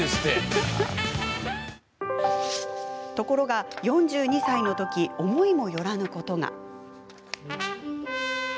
ところが、４２歳のとき思いもよらぬことが。